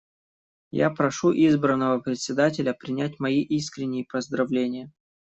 Я прошу избранного Председателя принять мои искренние поздравления.